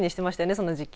その時期。